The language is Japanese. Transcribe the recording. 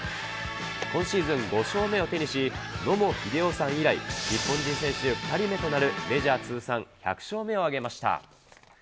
今シーズン５勝目を手にし、野茂英雄さん以来、日本人選手２人目となる、メジャー通算１００勝目を挙げました。